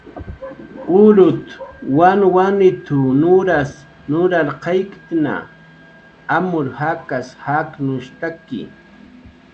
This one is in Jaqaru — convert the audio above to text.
"Urut"" wanwanit"" nuras nurarqayktna, amur jakas jaqnushtaki"